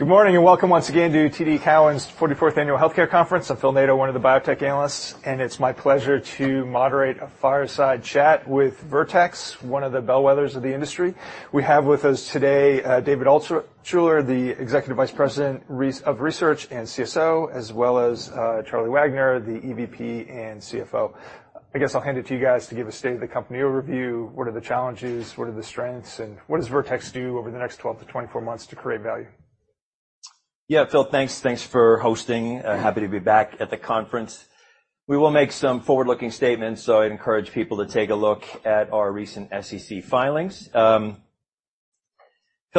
Good morning, and welcome once again to TD Cowen's 44th Annual Healthcare Conference. I'm Phil Nadeau, one of the biotech analysts, and it's my pleasure to moderate a fireside chat with Vertex, one of the bellwethers of the industry. We have with us today David Altshuler, the Executive Vice President of Research and CSO, as well as Charlie Wagner, the EVP and CFO. I guess I'll hand it to you guys to give a state of the company overview. What are the challenges? What are the strengths, and what does Vertex do over the next 12-24 months to create value? Yeah, Phil, thanks. Thanks for hosting. Happy to be back at the conference. We will make some forward-looking statements, so I encourage people to take a look at our recent SEC filings. Phil,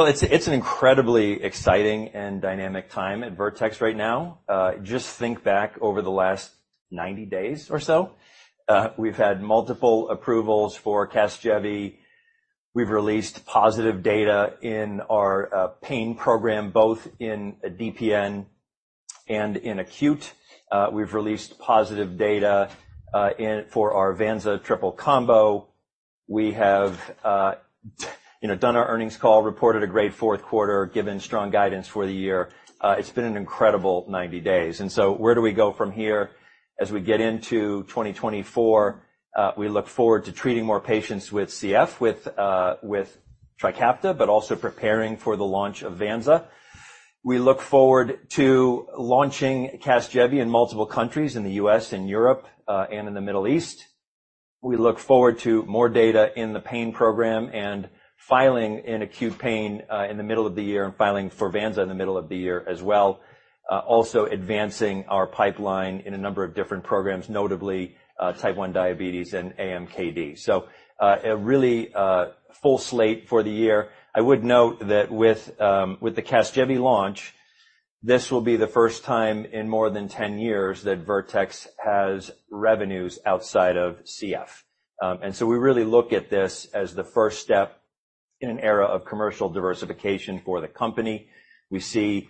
it's an incredibly exciting and dynamic time at Vertex right now. Just think back over the last 90 days or so, we've had multiple approvals for Casgevy. We've released positive data in our pain program, both in DPN and in acute. We've released positive data for our Vanza triple combo. We have, you know, done our earnings call, reported a great fourth quarter, given strong guidance for the year. It's been an incredible 90 days. And so where do we go from here? As we get into 2024, we look forward to treating more patients with CF, with Trikafta, but also preparing for the launch of Vanza. We look forward to launching Casgevy in multiple countries in the U.S., in Europe, and in the Middle East. We look forward to more data in the pain program and filing in acute pain in the middle of the year, and filing for Vanza in the middle of the year as well. Also advancing our pipeline in a number of different programs, notably type 1 diabetes and AMKD. So, a really full slate for the year. I would note that with the Casgevy launch, this will be the first time in more than 10 years that Vertex has revenues outside of CF. We really look at this as the first step in an era of commercial diversification for the company. We see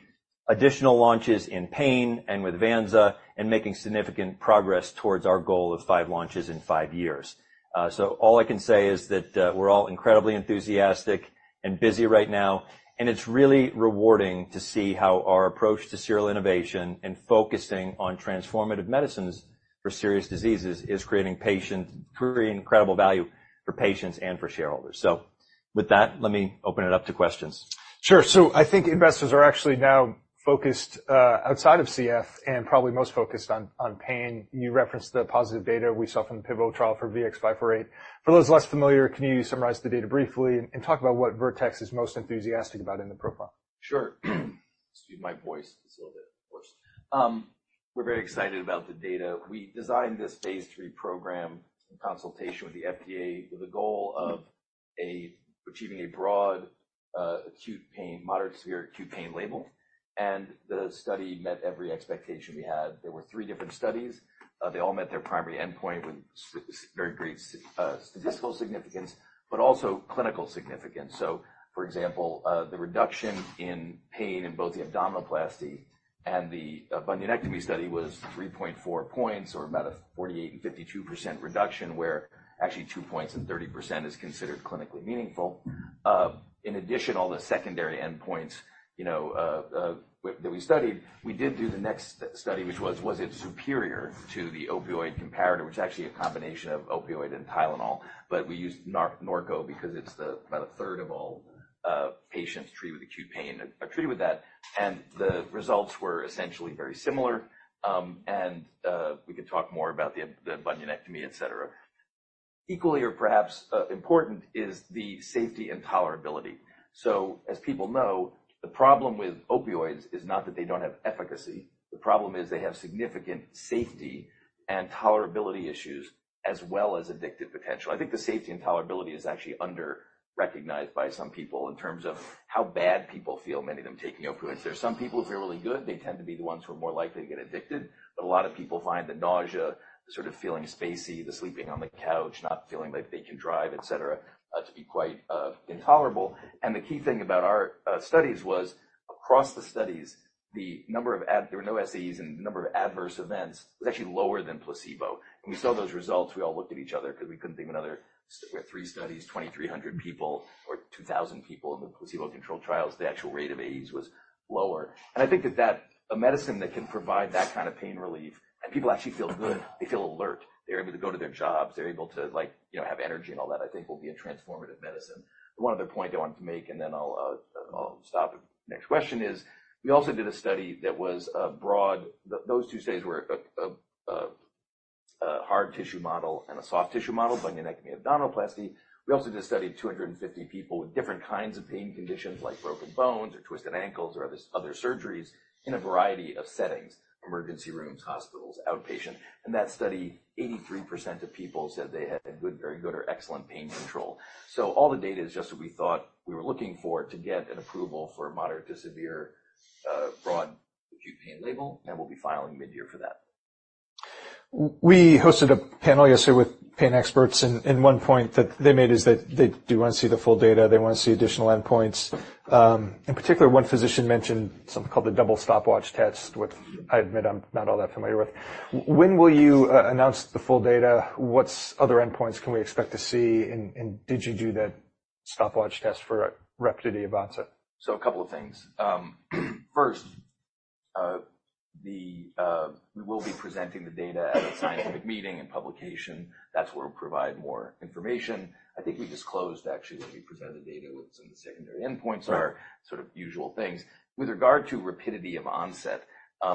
additional launches in pain and with Vanza, and making significant progress towards our goal of five launches in five years. So all I can say is that, we're all incredibly enthusiastic and busy right now, and it's really rewarding to see how our approach to serial innovation and focusing on transformative medicines for serious diseases is creating incredible value for patients and for shareholders. So with that, let me open it up to questions. Sure. So I think investors are actually now focused outside of CF and probably most focused on pain. You referenced the positive data we saw from the pivotal trial for VX-548. For those less familiar, can you summarize the data briefly and talk about what Vertex is most enthusiastic about in the profile? Sure. Excuse my voice, it's a little bit worse. We're very excited about the data. We designed this phase 3 program in consultation with the FDA, with the goal of achieving a broad, acute pain, moderate to severe acute pain label, and the study met every expectation we had. There were three different studies. They all met their primary endpoint with very great statistical significance, but also clinical significance. So, for example, the reduction in pain in both the abdominoplasty and the bunionectomy study was 3.4 points, or about a 48% and 52% reduction, where actually 2 points and 30% is considered clinically meaningful. In addition, all the secondary endpoints, you know, that we studied, we did do the next study, which was: Was it superior to the opioid comparator, which is actually a combination of opioid and Tylenol, but we used Norco because it's about a third of all patients treated with acute pain are treated with that, and the results were essentially very similar. And we could talk more about the bunionectomy, et cetera. Equally or perhaps important is the safety and tolerability. As people know, the problem with opioids is not that they don't have efficacy. The problem is they have significant safety and tolerability issues, as well as addictive potential. I think the safety and tolerability is actually under-recognized by some people in terms of how bad people feel, many of them, taking opioids. There are some people who feel really good, they tend to be the ones who are more likely to get addicted, but a lot of people find the nausea, sort of feeling spacey, the sleeping on the couch, not feeling like they can drive, et cetera, to be quite intolerable. The key thing about our studies was across the studies, the number of adverse events—there were no SAEs, and the number of adverse events was actually lower than placebo. We saw those results, we all looked at each other because we couldn't think of another... We had three studies, 2,300 people or 2,000 people in the placebo-controlled trials. The actual rate of AEs was lower. I think that a medicine that can provide that kind of pain relief, and people actually feel good, they feel alert, they're able to go to their jobs, they're able to, like, you know, have energy and all that, I think will be a transformative medicine. One other point I wanted to make, and then I'll stop. Next, we also did a study. Those two studies were a hard tissue model and a soft tissue model, bunionectomy, abdominoplasty. We also just studied 250 people with different kinds of pain conditions, like broken bones or twisted ankles or other surgeries in a variety of settings, emergency rooms, hospitals, outpatient. In that study, 83% of people said they had a good, very good, or excellent pain control. All the data is just what we thought we were looking for to get an approval for moderate to severe, broad acute pain label, and we'll be filing mid-year for that. We hosted a panel yesterday with pain experts, and one point that they made is that they do want to see the full data, they want to see additional endpoints. In particular, one physician mentioned something called the double stopwatch test, which I admit I'm not all that familiar with. When will you announce the full data? What other endpoints can we expect to see, and did you do that stopwatch test for VX-548? A couple of things. We will be presenting the data at a scientific meeting and publication. That's where we'll provide more information. I think we disclosed, actually, when we presented the data, what some of the secondary endpoints are, sort of usual things. With regard to rapidity of onset,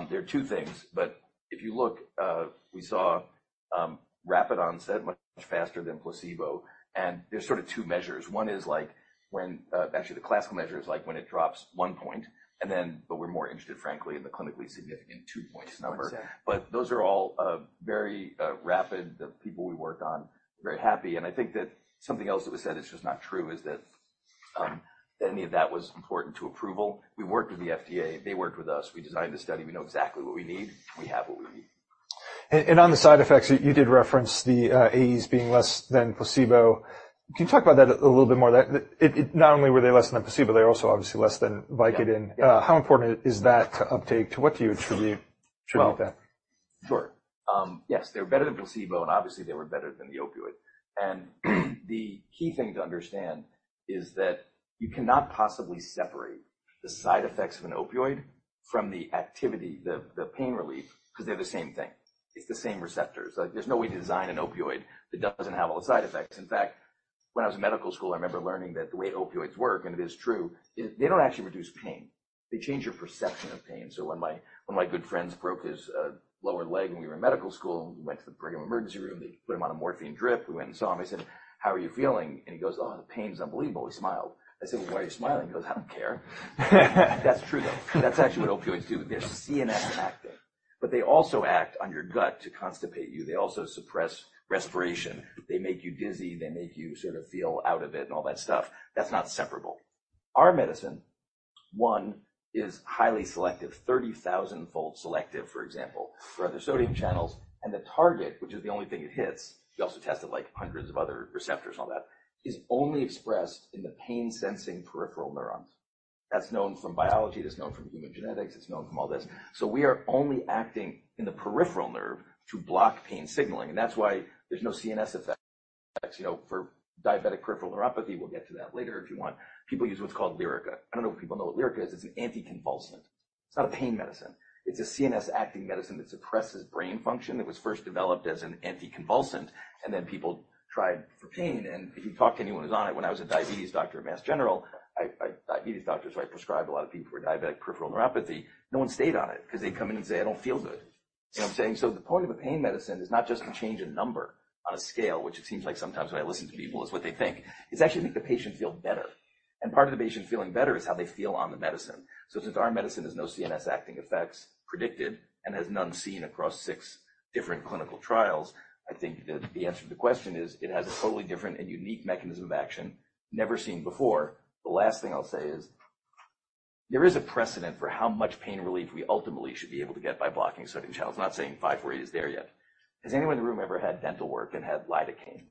there are two things, but if you look, we saw rapid onset much faster than placebo, and there's sort of two measures. One is like when, actually, the classical measure is like when it drops one point, and then, but we're more interested, frankly, in the clinically significant two points number. Exactly. Those are all very rapid. The people we worked on were very happy, and I think that something else that was said, it's just not true, is that any of that was important to approval. We worked with the FDA. They worked with us. We designed the study. We know exactly what we need. We have what we need. On the side effects, you did reference the AEs being less than placebo. Can you talk about that a little bit more? That not only were they less than a placebo, they're also obviously less than Vicodin. Yeah. How important is that to uptake? To what do you attribute to that? Well, sure. Yes, they were better than placebo, and obviously, they were better than the opioid. And the key thing to understand is that you cannot possibly separate the side effects of an opioid from the activity, the pain relief, 'cause they're the same thing. It's the same receptors. Like, there's no way to design an opioid that doesn't have all the side effects. In fact, when I was in medical school, I remember learning that the way opioids work, and it is true, is they don't actually reduce pain. They change your perception of pain. So when my good friends broke his lower leg when we were in medical school, we went to the Brigham Emergency Room. They put him on a morphine drip. We went and saw him. I said, "How are you feeling?" And he goes, "Oh, the pain's unbelievable," and he smiled. I said, "Well, why are you smiling?" He goes, "I don't care." That's true, though. That's actually what opioids do. They're CNS acting, but they also act on your gut to constipate you. They also suppress respiration. They make you dizzy. They make you sort of feel out of it and all that stuff. That's not separable. Our medicine, one, is highly selective, 30,000-fold selective, for example, for other sodium channels, and the target, which is the only thing it hits, we also tested like hundreds of other receptors and all that, is only expressed in the pain-sensing peripheral neurons. That's known from biology, it's known from human genetics, it's known from all this. We are only acting in the peripheral nerve to block pain signaling, and that's why there's no CNS effects. You know, for diabetic peripheral neuropathy, we'll get to that later if you want, people use what's called Lyrica. I don't know if people know what Lyrica is. It's an anticonvulsant. It's not a pain medicine. It's a CNS acting medicine that suppresses brain function. It was first developed as an anticonvulsant, and then people tried for pain. And if you talk to anyone who's on it, when I was a diabetes doctor at Mass General, I prescribed a lot of people with diabetic peripheral neuropathy. No one stayed on it 'cause they'd come in and say, "I don't feel good." You know what I'm saying? The point of a pain medicine is not just to change a number on a scale, which it seems like sometimes when I listen to people is what they think. It's actually to make the patient feel better, and part of the patient feeling better is how they feel on the medicine. So since our medicine has no CNS acting effects predicted and has none seen across six different clinical trials, I think that the answer to the question is it has a totally different and unique mechanism of action, never seen before. The last thing I'll say is, there is a precedent for how much pain relief we ultimately should be able to get by blocking certain channels. Not saying VX-548 is there yet. Has anyone in the room ever had dental work and had lidocaine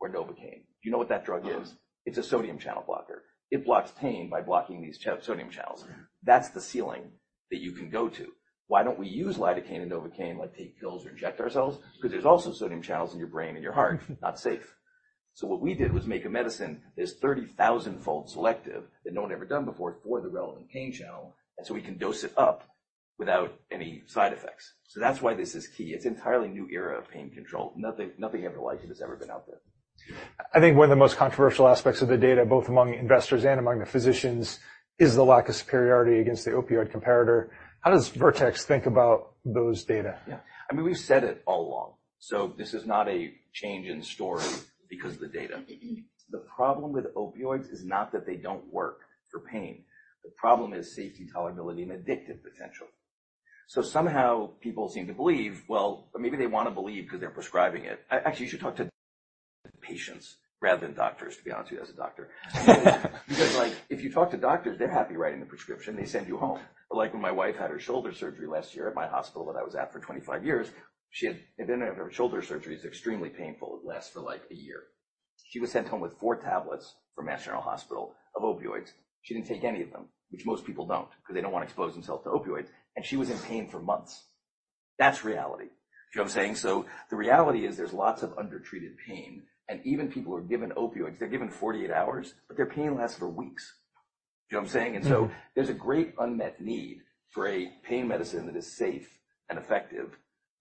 or Novocain? Do you know what that drug is? Uh-huh. It's a sodium channel blocker. It blocks pain by blocking these sodium channels. Yeah. That's the ceiling that you can go to. Why don't we use lidocaine and Novocain, like, take pills or inject ourselves? Because there's also sodium channels in your brain and your heart, not safe. So what we did was make a medicine that's 30,000-fold selective, that no one ever done before for the relevant pain channel, and so we can dose it up without any side effects. So that's why this is key. It's an entirely new era of pain control. Nothing, nothing ever like it has ever been out there. I think one of the most controversial aspects of the data, both among investors and among the physicians, is the lack of superiority against the opioid comparator. How does Vertex think about those data? Yeah. I mean, we've said it all along, so this is not a change in story because of the data. The problem with opioids is not that they don't work for pain. The problem is safety, tolerability, and addictive potential. So somehow people seem to believe, well, maybe they want to believe because they're prescribing it. Actually, you should talk to patients rather than doctors, to be honest with you, as a doctor. Because, like, if you talk to doctors, they're happy writing the prescription, they send you home. Like, when my wife had her shoulder surgery last year at my hospital that I was at for 25 years, she had... And then her shoulder surgery is extremely painful, it lasts for, like, a year. She was sent home with four tablets from Mass General Hospital of opioids. She didn't take any of them, which most people don't, 'cause they don't want to expose themselves to opioids, and she was in pain for months. That's reality. Do you know what I'm saying? So the reality is there's lots of undertreated pain, and even people who are given opioids, they're given 48 hours, but their pain lasts for weeks. You know what I'm saying? Mm-hmm. There's a great unmet need for a pain medicine that is safe and effective,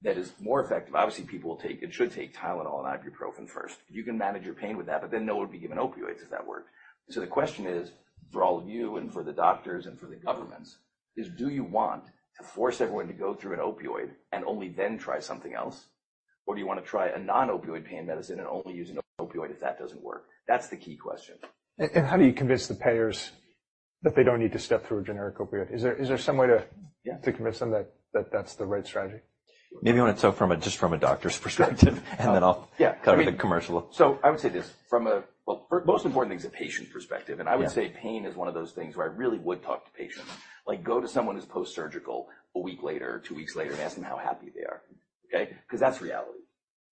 that is more effective. Obviously, people will take and should take Tylenol and ibuprofen first. You can manage your pain with that, but then no one would be given opioids if that worked. So the question is, for all of you and for the doctors and for the governments, is do you want to force everyone to go through an opioid and only then try something else? Or do you want to try a non-opioid pain medicine and only use an opioid if that doesn't work? That's the key question. How do you convince the payers that they don't need to step through a generic opioid? Is there some way to- Yeah... to convince them that, that that's the right strategy? Maybe you want to tell, just from a doctor's perspective, and then I'll- Yeah. Cover the commercial. So I would say this, from a... Well, first, most important thing is a patient perspective. Yeah. I would say pain is one of those things where I really would talk to patients. Like, go to someone who's post-surgical a week later, two weeks later, and ask them how happy they are, okay? 'Cause that's reality.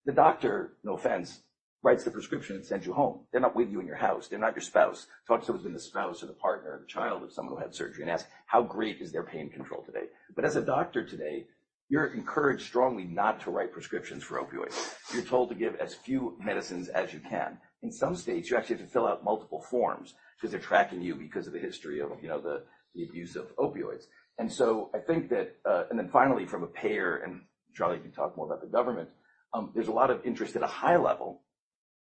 The doctor, no offense, writes the prescription and sends you home. They're not with you in your house. They're not your spouse. Talk to someone who's a spouse or the partner or the child of someone who had surgery and ask how great is their pain control today. But as a doctor today... You're encouraged strongly not to write prescriptions for opioids. You're told to give as few medicines as you can. In some states, you actually have to fill out multiple forms because they're tracking you because of the history of, you know, the abuse of opioids. I think that, and then finally, from a payer, and Charlie, you can talk more about the government, there's a lot of interest at a high level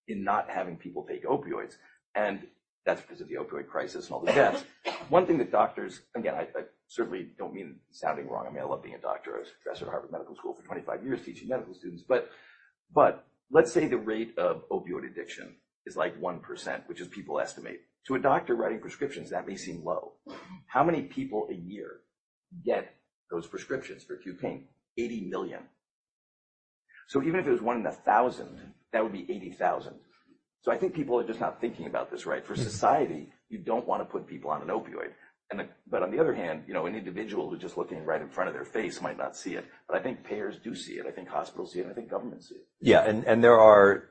in not having people take opioids, and that's because of the opioid crisis and all the deaths. One thing that doctors, again, I certainly don't mean sounding wrong. I mean, I love being a doctor. I was a professor at Harvard Medical School for 25 years teaching medical students. But let's say the rate of opioid addiction is, like, 1%, which is people estimate. To a doctor writing prescriptions, that may seem low. How many people a year get those prescriptions for acute pain? 80 million. So even if it was 1 in 1,000, that would be 80,000. So I think people are just not thinking about this right. For society, you don't want to put people on an opioid. But on the other hand, you know, an individual who's just looking right in front of their face might not see it, but I think payers do see it, I think hospitals see it, I think governments see it. Yeah, and there are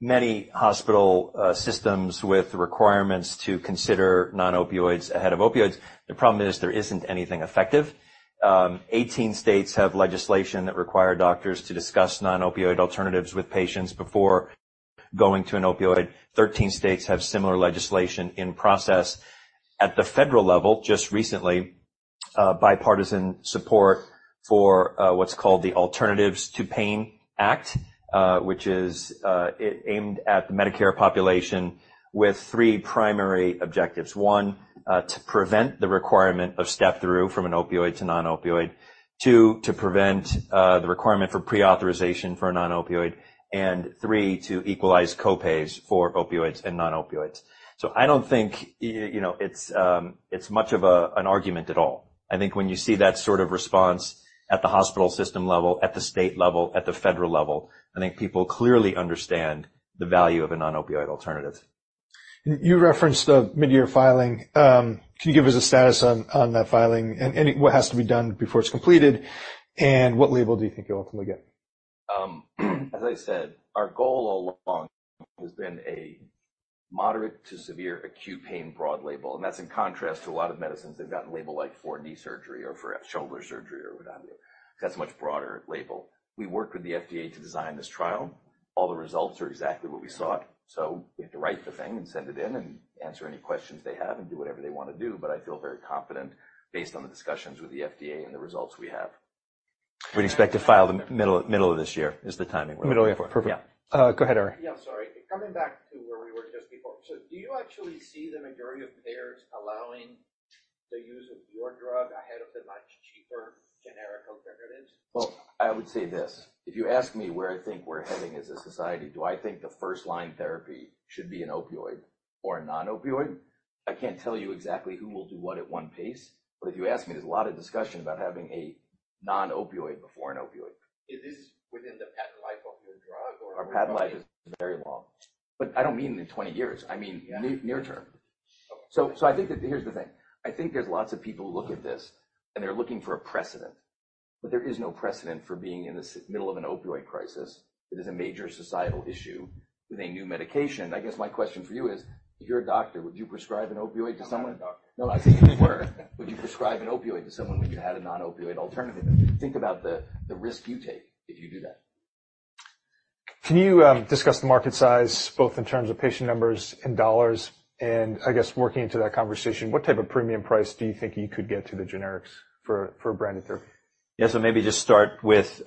many hospital systems with requirements to consider non-opioids ahead of opioids. The problem is there isn't anything effective. Eighteen states have legislation that require doctors to discuss non-opioid alternatives with patients before going to an opioid. Thirteen states have similar legislation in process. At the federal level, just recently, bipartisan support for what's called the Alternatives to Pain Act, which is aimed at the Medicare population with three primary objectives. One, to prevent the requirement of step-through from an opioid to non-opioid. Two, to prevent the requirement for pre-authorization for a non-opioid, and three, to equalize co-pays for opioids and non-opioids. So I don't think, you know, it's much of a, an argument at all. When you see that sort of response at the hospital system level, at the state level, at the federal level, I think people clearly understand the value of a non-opioid alternative. You referenced the mid-year filing. Can you give us a status on that filing and any what has to be done before it's completed, and what label do you think you'll ultimately get? As I said, our goal all along has been a moderate to severe acute pain broad label, and that's in contrast to a lot of medicines. They've gotten label like for knee surgery or for shoulder surgery or what have you. That's a much broader label. We worked with the FDA to design this trial. All the results are exactly what we sought. So we have to write the thing and send it in and answer any questions they have and do whatever they want to do, but I feel very confident based on the discussions with the FDA and the results we have. We'd expect to file in the middle of this year is the timing we're looking for. Middle of the year. Perfect. Yeah. Go ahead, Eric. Yeah, sorry. Coming back to where we were just before. So do you actually see the majority of payers allowing the use of your drug ahead of the much cheaper generic alternatives? Well, I would say this, if you ask me where I think we're heading as a society, do I think the first-line therapy should be an opioid or a non-opioid? I can't tell you exactly who will do what at what pace, but if you ask me, there's a lot of discussion about having a non-opioid before an opioid. Is this within the patent life of your drug or? Our patent life is very long, but I don't mean in 20 years. Yeah. I mean, near-term. Okay. Here's the thing. I think there's lots of people who look at this, and they're looking for a precedent, but there is no precedent for being in this middle of an opioid crisis. It is a major societal issue with a new medication. I guess my question for you is, if you're a doctor, would you prescribe an opioid to someone? I'm not a doctor. No, I said if you were, would you prescribe an opioid to someone when you had a non-opioid alternative? And think about the risk you take if you do that. Can you discuss the market size, both in terms of patient numbers and dollars, and I guess, working into that conversation, what type of premium price do you think you could get to the generics for, for a branded therapy? Yeah, so maybe just start with,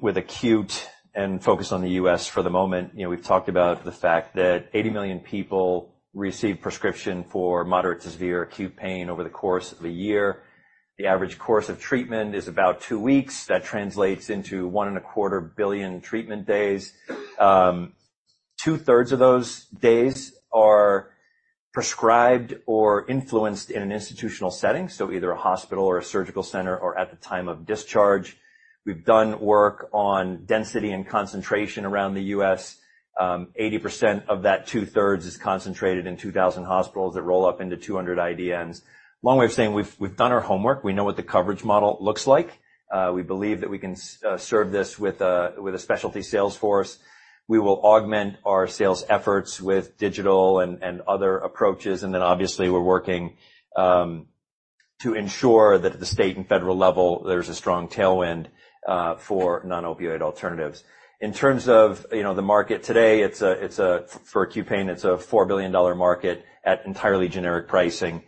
with acute and focus on the U.S. for the moment. You know, we've talked about the fact that 80 million people receive prescription for moderate to severe acute pain over the course of a year. The average course of treatment is about 2 weeks. That translates into 1.25 billion treatment days. Two-thirds of those days are prescribed or influenced in an institutional setting, so either a hospital or a surgical center or at the time of discharge. We've done work on density and concentration around the U.S. Eighty percent of that two-thirds is concentrated in 2,000 hospitals that roll up into 200 IDNs. Long way of saying, we've done our homework. We know what the coverage model looks like. We believe that we can serve this with a specialty sales force. We will augment our sales efforts with digital and other approaches, and then, obviously, we're working to ensure that at the state and federal level, there's a strong tailwind for non-opioid alternatives. In terms of, you know, the market today, for acute pain, it's a $4 billion market at entirely generic pricing.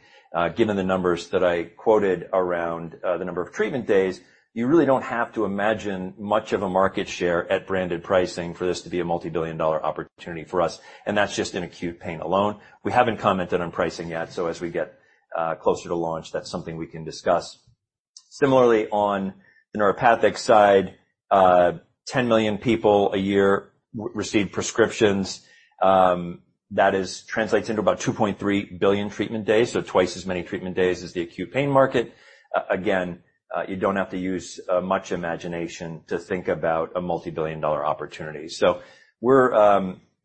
Given the numbers that I quoted around the number of treatment days, you really don't have to imagine much of a market share at branded pricing for this to be a multi-billion dollar opportunity for us, and that's just in acute pain alone. We haven't commented on pricing yet, so as we get closer to launch, that's something we can discuss. Similarly, on the neuropathic side, 10 million people a year receive prescriptions. That translates into about 2.3 billion treatment days, so twice as many treatment days as the acute pain market. Again, you don't have to use much imagination to think about a multi-billion-dollar opportunity. So we're,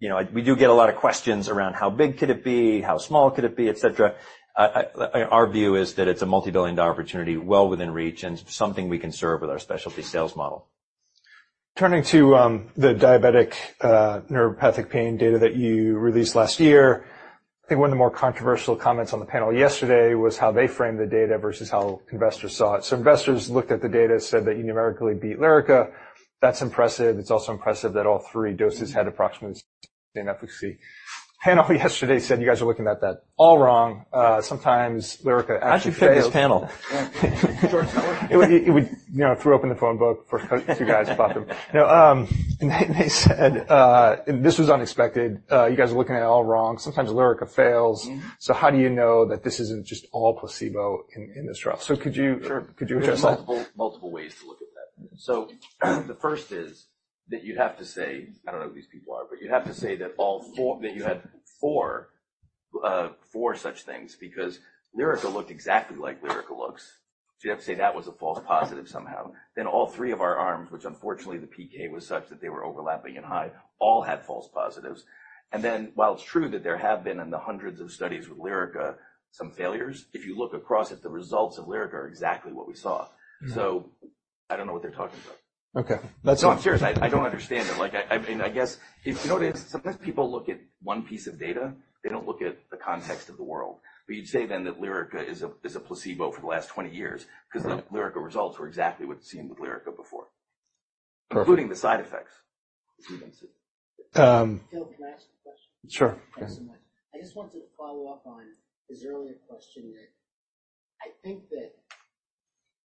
you know, we do get a lot of questions around how big could it be, how small could it be, et cetera. Our view is that it's a multi-billion-dollar opportunity well within reach and something we can serve with our specialty sales model. Turning to the diabetic neuropathic pain data that you released last year. I think one of the more controversial comments on the panel yesterday was how they framed the data versus how investors saw it. So investors looked at the data, said that you numerically beat Lyrica. That's impressive. It's also impressive that all three doses had approximately the same efficacy. The panel yesterday said you guys are looking at that all wrong. Sometimes Lyrica actually fails. How'd you pick this panel? George Teller. It would be. He, you know, threw open the phone book for a few guys about them. They, they said, this was unexpected. You guys are looking at it all wrong. Sometimes Lyrica fails. Mm-hmm. How do you know that this isn't just all placebo in this trial? Could you- Sure. Could you address that? Multiple, multiple ways to look at that. So the first is that you'd have to say... I don't know who these people are, but you'd have to say that all four, that you had four, four such things because Lyrica looked exactly like Lyrica looks. So you have to say that was a false positive somehow. Then all three of our arms, which unfortunately the PK was such that they were overlapping and high, all had false positives. And then, while it's true that there have been in the hundreds of studies with Lyrica, some failures, if you look across at the results of Lyrica are exactly what we saw. Mm-hmm. I don't know what they're talking about. Okay, that's- No, I'm serious. I don't understand it. Like, I mean, I guess if you notice, sometimes people look at one piece of data, they don't look at the context of the world. But you'd say then that Lyrica is a, is a placebo for the last 20 years, because the Lyrica results were exactly what's seen with Lyrica before. Perfect. Including the side effects. Um- Phil, can I ask a question? Sure. Thanks so much. I just wanted to follow up on his earlier question, that I think that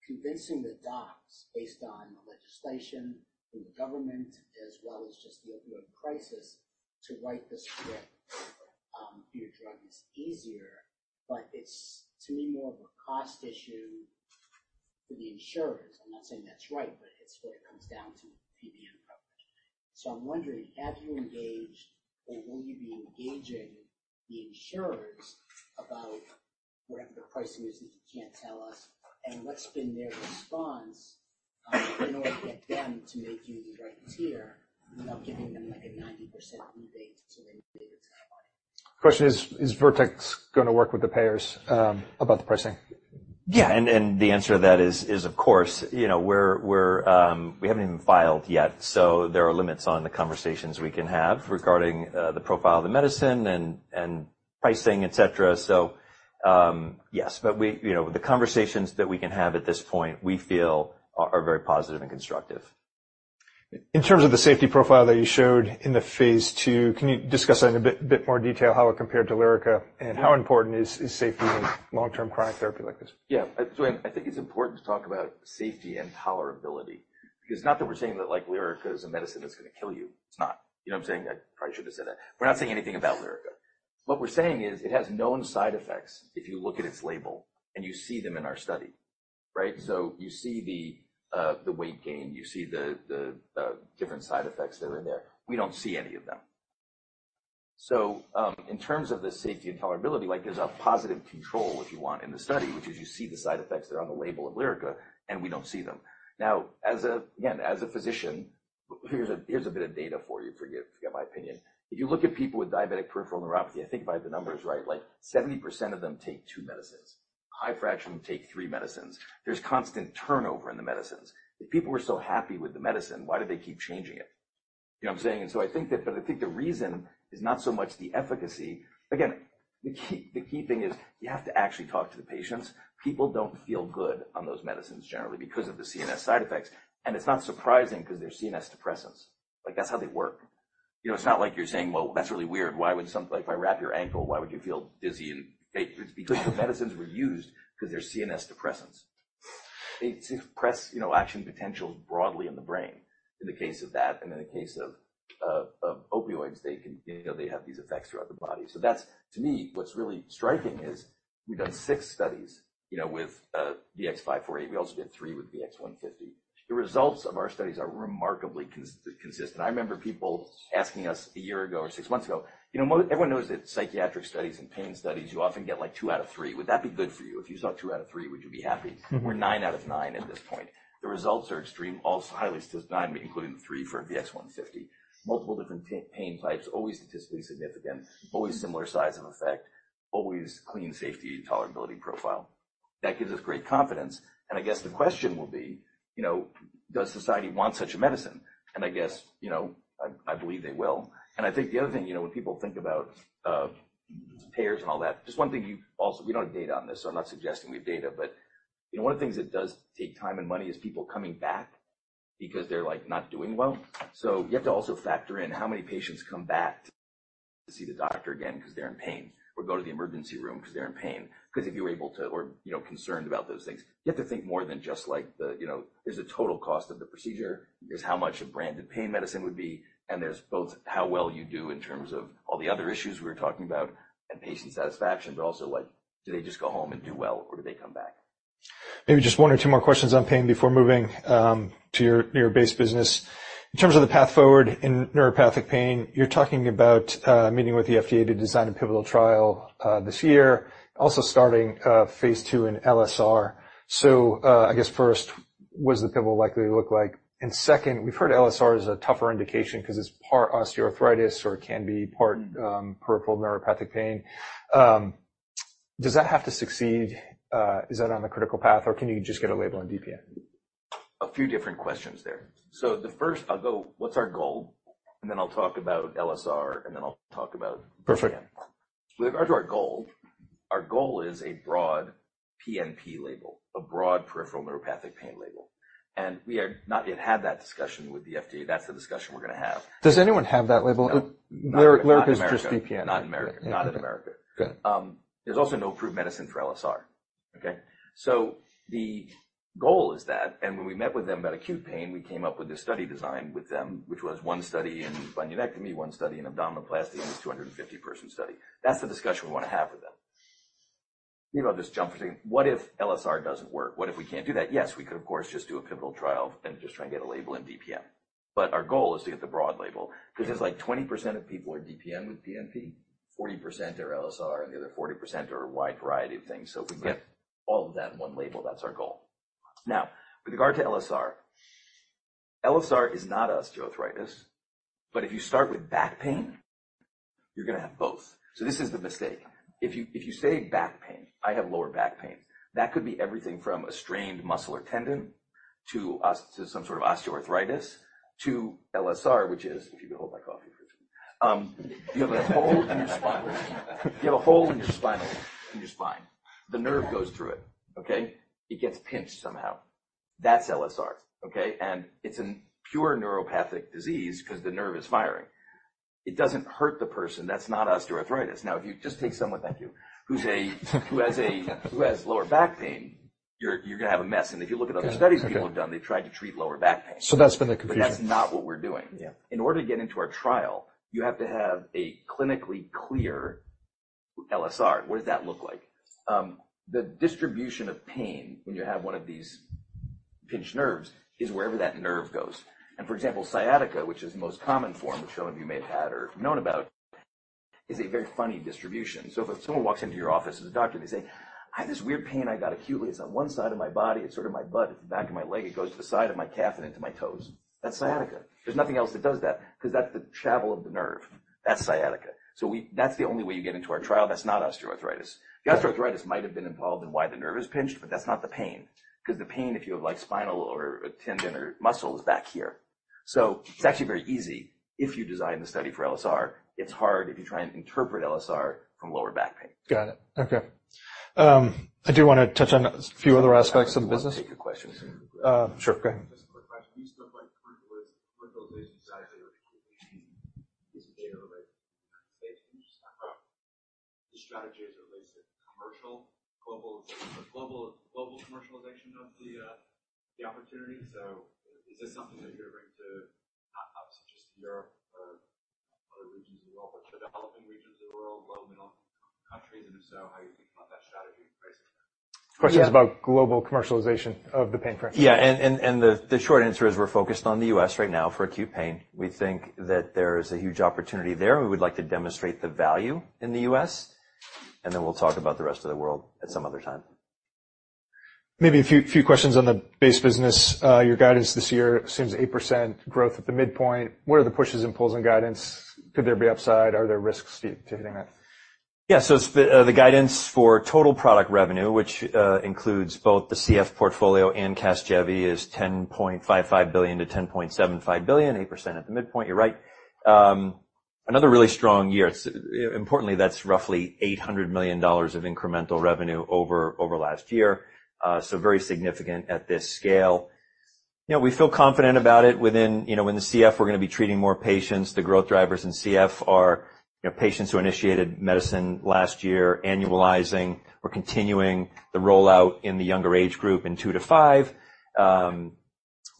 convincing the docs based on legislation from the government, as well as just the opioid crisis, to write the script, your drug is easier, but it's to me, more of a cost issue for the insurers. I'm not saying that's right, but it's what it comes down to PBM coverage. So I'm wondering, have you engaged or will you be engaging the insurers about whatever the pricing is, if you can't tell us, and what's been their response, in order to get them to make you the right tier, not giving them, like, a 90% rebate to then give it to the client? The question is, is Vertex going to work with the payers, about the pricing? Yeah, the answer to that is, of course, you know, we haven't even filed yet, so there are limits on the conversations we can have regarding the profile of the medicine and pricing, et cetera. So, yes, but we... You know, the conversations that we can have at this point, we feel are very positive and constructive. In terms of the safety profile that you showed in the phase 2, can you discuss that in a bit, bit more detail, how it compared to Lyrica and how important is, is safety in long-term chronic therapy like this? Yeah. So I think it's important to talk about safety and tolerability, because not that we're saying that like Lyrica is a medicine that's going to kill you. It's not. You know what I'm saying? I probably shouldn't have said that. We're not saying anything about Lyrica. What we're saying is, it has known side effects if you look at its label and you see them in our study, right? So you see the, the weight gain, you see the, the, the different side effects that are in there. We don't see any of them. So, in terms of the safety and tolerability, like, there's a positive control if you want in the study, which is you see the side effects that are on the label of Lyrica, and we don't see them. Now, as a physician, here's a bit of data for you, forget my opinion. If you look at people with diabetic peripheral neuropathy, I think by the numbers, right, like 70% of them take two medicines. A high fraction take three medicines. There's constant turnover in the medicines. If people were so happy with the medicine, why did they keep changing it? You know what I'm saying? And so I think that, but I think the reason is not so much the efficacy. Again, the key thing is you have to actually talk to the patients. People don't feel good on those medicines generally because of the CNS side effects, and it's not surprising because they're CNS depressants. Like, that's how they work. You know, it's not like you're saying, "Well, that's really weird. Why would some-- like, if I wrap your ankle, why would you feel dizzy and..." It's because the medicines were used, because they're CNS depressants. They suppress, you know, action potentials broadly in the brain, in the case of that and in the case of, of, of opioids, they can, you know, they have these effects throughout the body. So that's-- to me, what's really striking is we've done 6 studies, you know, with VX-548. We also did 3 with VX-150. The results of our studies are remarkably consistent. I remember people asking us a year ago or 6 months ago, "You know, mo-- everyone knows that psychiatric studies and pain studies, you often get, like, 2 out of 3. Would that be good for you? If you saw 2 out of 3, would you be happy? Mm-hmm. We're 9 out of 9 at this point. The results are extreme, all highly statistically significant, including the three for VX-150. Multiple different pain types, always statistically significant, always similar size and effect, always clean safety, tolerability profile. That gives us great confidence. And I guess the question will be, you know, does society want such a medicine? And I guess, you know, I believe they will. And I think the other thing, you know, when people think about, payers and all that, just one thing you also... We don't have data on this, so I'm not suggesting we have data. But, you know, one of the things that does take time and money is people coming back because they're, like, not doing well. You have to also factor in how many patients come back to see the doctor again because they're in pain, or go to the emergency room because they're in pain. Because if you're able to or, you know, concerned about those things, you have to think more than just like the, you know. There's a total cost of the procedure, there's how much a branded pain medicine would be, and there's both how well you do in terms of all the other issues we were talking about and patient satisfaction, but also, like, do they just go home and do well or do they come back? Maybe just one or two more questions on pain before moving to your nerve-based business. In terms of the path forward in neuropathic pain, you're talking about meeting with the FDA to design a pivotal trial this year, also starting a phase two in LSR. So, I guess first, what does the pivotal likely look like? And second, we've heard LSR is a tougher indication because it's part osteoarthritis or it can be part peripheral neuropathic pain. Does that have to succeed? Is that on the critical path, or can you just get a label on DPN? A few different questions there. So the first, I'll go, what's our goal? And then I'll talk about LSR, and then I'll talk about DPN. Perfect. With regard to our goal, our goal is a broad PNP label, a broad peripheral neuropathic pain label, and we have not yet had that discussion with the FDA. That's the discussion we're gonna have. Does anyone have that label? No. Lyrica is just DPN. Not in America. Not in America. Got it. There's also no approved medicine for LSR. Okay? So the goal is that, and when we met with them about acute pain, we came up with this study design with them, which was one study in bunionectomy, one study in abdominoplasty, and this 250-person study. That's the discussion we want to have with them. You know, I'll just jump to, what if LSR doesn't work? What if we can't do that? Yes, we could, of course, just do a pivotal trial and just try and get a label in DPN. But our goal is to get the broad label. Yeah. Because it's like 20% of people are DPN with PNP, 40% are LSR, and the other 40% are a wide variety of things. Yeah. If we can get all of that in one label, that's our goal. Now, with regard to LSR, LSR is not osteoarthritis, but if you start with back pain, you're gonna have both. So this is the mistake. If you say back pain, I have lower back pain, that could be everything from a strained muscle or tendon to some sort of osteoarthritis to LSR, which is, if you could hold my coffee for me. You have a hole in your spine. The nerve goes through it, okay? It gets pinched somehow. That's LSR, okay? And it's a pure neuropathic disease because the nerve is firing. It doesn't hurt the person. That's not osteoarthritis. Now, if you just take someone, thank you, who has lower back pain, you're gonna have a mess. Yeah. If you look at other studies people have done, they've tried to treat lower back pain. That's been the confusion. But that's not what we're doing. Yeah. In order to get into our trial, you have to have a clinically clear LSR. What does that look like? The distribution of pain when you have one of these pinched nerves is wherever that nerve goes. And for example, sciatica, which is the most common form, which some of you may have had or known about, is a very funny distribution. So if someone walks into your office as a doctor, they say, "I have this weird pain I got acutely. It's on one side of my body. It's sort of my butt. It's the back of my leg. It goes to the side of my calf and into my toes." That's sciatica. There's nothing else that does that because that's the travel of the nerve. That's sciatica. That's the only way you get into our trial. That's not osteoarthritis. Yeah. The osteoarthritis might have been involved in why the nerve is pinched, but that's not the pain, because the pain, if you have, like, spinal or a tendon or muscle, is back here. So it's actually very easy if you design the study for LSR. It's hard if you try and interpret LSR from lower back pain. Got it. Okay. I do want to touch on a few other aspects of the business. I'll take a question. Sure. Go ahead. Just a quick question. The strategy as it relates to commercial, global commercialization of the opportunity. So is this something that you're going to bring to not just Europe or other regions of the world, but developing regions of the world, low, middle countries? And if so, how are you thinking about that strategy pricing? Question is about global commercialization of the pain program. Yeah, the short answer is we're focused on the U.S. right now for acute pain. We think that there is a huge opportunity there. We would like to demonstrate the value in the U.S., and then we'll talk about the rest of the world at some other time. Maybe a few questions on the base business. Your guidance this year assumes 8% growth at the midpoint. What are the pushes and pulls in guidance? Could there be upside? Are there risks to hitting that? Yeah. So the guidance for total product revenue, which includes both the CF portfolio and Casgevy, is $10.55 billion-$10.75 billion, 8% at the midpoint, you're right. Another really strong year. Importantly, that's roughly $800 million of incremental revenue over last year. So very significant at this scale. You know, we feel confident about it within... You know, in the CF, we're gonna be treating more patients. The growth drivers in CF are, you know, patients who initiated medicine last year, annualizing. We're continuing the rollout in the younger age group in 2 to 5.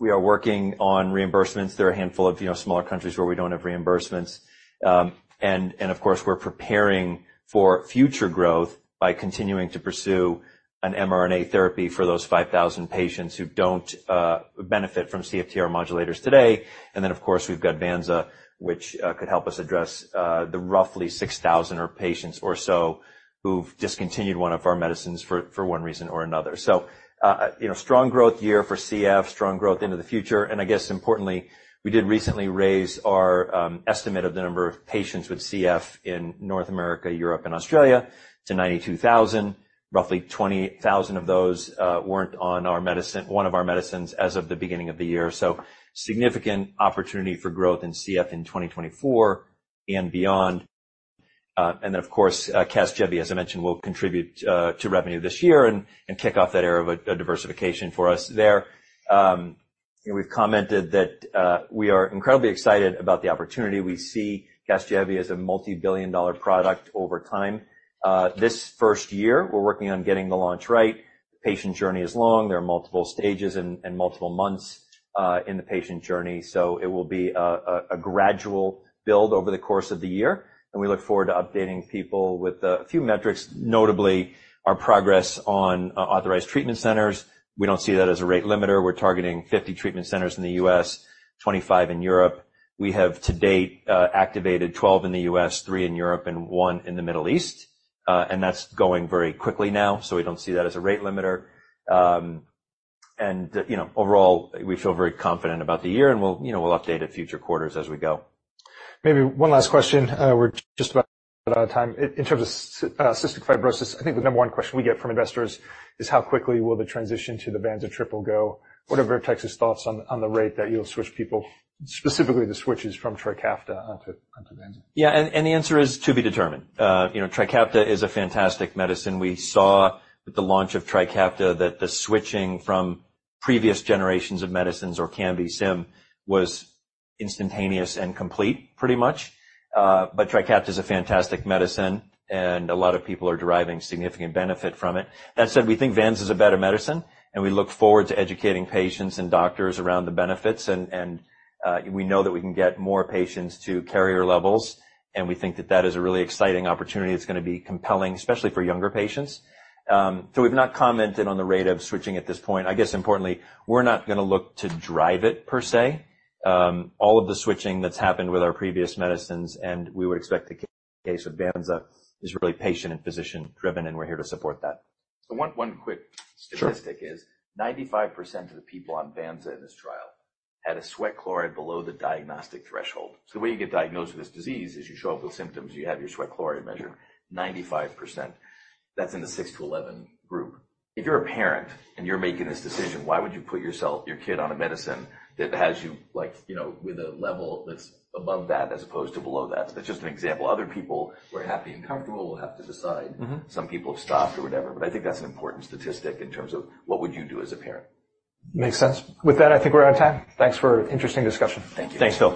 We are working on reimbursements. There are a handful of, you know, smaller countries where we don't have reimbursements. Of course, we're preparing for future growth by continuing to pursue an mRNA therapy for those 5,000 patients who don't benefit from CFTR modulators today. And then, of course, we've got Vanza, which could help us address the roughly 6,000 patients or so who've discontinued one of our medicines for one reason or another. Strong growth year for CF, strong growth into the future, and I guess importantly, we did recently raise our estimate of the number of patients with CF in North America, Europe, and Australia to 92,000. Roughly 20,000 of those weren't on our medicine, one of our medicines as of the beginning of the year. So significant opportunity for growth in CF in 2024 and beyond. Then, of course, Casgevy, as I mentioned, will contribute to revenue this year and kick off that era of diversification for us there. We've commented that we are incredibly excited about the opportunity. We see Casgevy as a multibillion-dollar product over time. This first year, we're working on getting the launch right. The patient journey is long. There are multiple stages and multiple months in the patient journey, so it will be a gradual build over the course of the year, and we look forward to updating people with a few metrics, notably our progress on authorized treatment centers. We don't see that as a rate limiter. We're targeting 50 treatment centers in the U.S., 25 in Europe. We have, to date, activated 12 in the U.S., 3 in Europe, and 1 in the Middle East. That's going very quickly now, so we don't see that as a rate limiter. You know, overall, we feel very confident about the year, and we'll, you know, update at future quarters as we go. Maybe one last question. We're just about out of time. In terms of, cystic fibrosis, I think the number one question we get from investors is how quickly will the transition to the Vanza triple go? What are Vertex's thoughts on, on the rate that you'll switch people, specifically the switches from Trikafta onto, onto Vanza? Yeah, and, and the answer is to be determined. You know, Trikafta is a fantastic medicine. We saw with the launch of Trikafta that the switching from previous generations of medicines or Orkambi Symdeko was instantaneous and complete pretty much. But Trikafta is a fantastic medicine, and a lot of people are deriving significant benefit from it. That said, we think Vanz is a better medicine, and we look forward to educating patients and doctors around the benefits, and, and, we know that we can get more patients to carrier levels, and we think that that is a really exciting opportunity. It's gonna be compelling, especially for younger patients. So we've not commented on the rate of switching at this point. I guess importantly, we're not gonna look to drive it per se. All of the switching that's happened with our previous medicines, and we would expect the case with Vanza, is really patient and physician-driven, and we're here to support that. So one quick statistic- Sure. 95% of the people on Vanza in this trial had a sweat chloride below the diagnostic threshold. So the way you get diagnosed with this disease is you show up with symptoms, you have your sweat chloride measured. 95%, that's in the 6-11 group. If you're a parent and you're making this decision, why would you put yourself, your kid on a medicine that has you, like, you know, with a level that's above that as opposed to below that? So that's just an example. Other people were happy and comfortable, will have to decide. Mm-hmm. Some people have stopped or whatever, but I think that's an important statistic in terms of what would you do as a parent. Makes sense. With that, I think we're out of time. Thanks for interesting discussion. Thank you. Thanks, Phil.